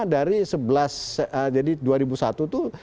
dari dua ribu sebelas itu